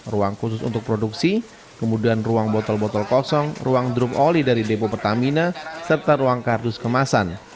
ruang khusus untuk produksi kemudian ruang botol botol kosong ruang drum oli dari depo pertamina serta ruang kardus kemasan